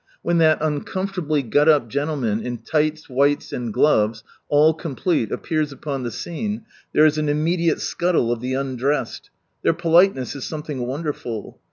When that uncomfortably got up gentleman in tights, whites, and gloves, all complete, appears upon the scene, there is an immediate scuttle of the undressed. Their politeness is something wonderful.